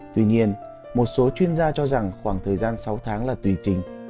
tuy nhiên một số chuyên gia cho rằng khoảng thời gian sáu tháng là tùy trình